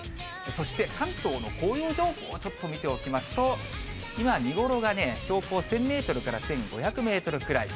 そして関東の紅葉情報をちょっと見ておきますと、今、見頃がね、標高１０００メートルから１５００メートルくらい。